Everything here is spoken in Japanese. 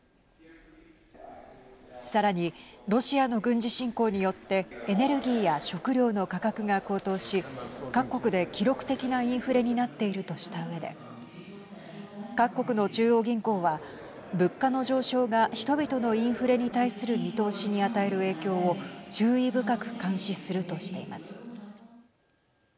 さらにロシアの軍事侵攻によってエネルギーや食糧の価格が高騰し各国で記録的なインフレになっているとしたうえで各国の中央銀行は物価の上昇が人々のインフレに対する見通しに与える影響を注意深く監視するとしています。